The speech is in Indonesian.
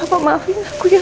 bapak maafin aku ya pak